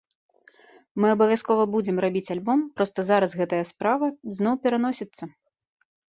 Мы абавязкова будзем рабіць альбом, проста зараз гэтая справа зноў пераносіцца.